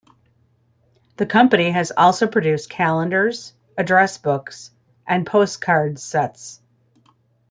The company has also produced calendars, address books, and postcards sets.